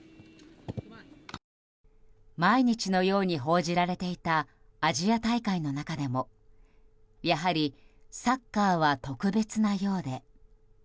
毎日のように報じられていたアジア大会の中でもやはりサッカーは特別なようで。